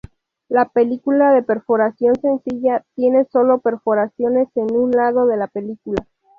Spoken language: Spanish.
La película de perforación sencilla tiene solo perforaciones en un lado de la película.